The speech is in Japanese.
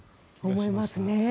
思いますね。